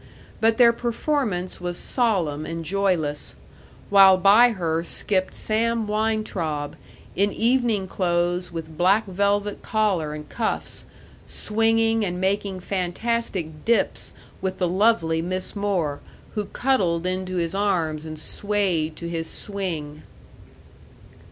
But their performance was solemn and joyless, while by her skipped Sam Weintraub, in evening clothes with black velvet collar and cuffs, swinging and making fantastic dips with the lovely Miss Moore, who cuddled into his arms and swayed to his swing.